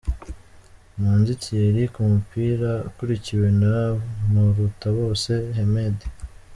Manzi Thierry ku mupira akurikiwe na Murutabose Hemedi.